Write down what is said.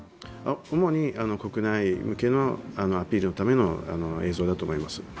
主に国内向けのアピールのための映像だと思います。